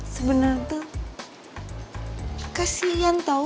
sebenarnya tuh kasihan tau